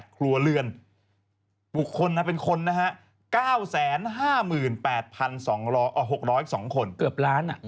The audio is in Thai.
๓๓๓๑๘ครัวเลือนปลุกคนเป็นคน๙๕๘๖๐๒คน